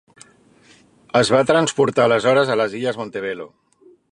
Es va transportar aleshores a les illes Montebello.